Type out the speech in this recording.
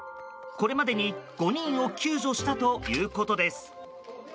これまでに５人を救助したということです。